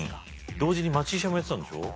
同時に町医者もやってたんでしょ？